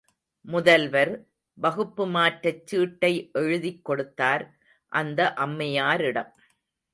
முதல்வர், வகுப்பு மாற்றச் சீட்டை எழுதிக் கொடுத்தார், அந்த அம்மையாரிடம்.